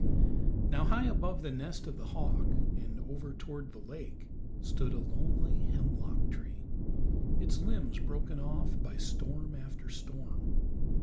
Now high above the nest of the hawk, and over toward the lake, stood a lonely hemlock tree, its limbs broken off by storm after storm.